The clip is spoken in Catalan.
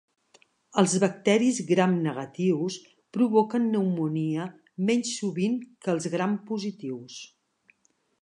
Els bacteris gramnegatius provoquen pneumònia menys sovint que els grampositius.